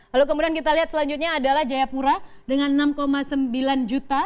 lalu kemudian kita lihat selanjutnya adalah jayapura dengan enam sembilan juta